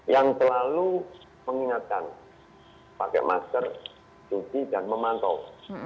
yang selalu mengingatkan pakai masker cuci dan memantau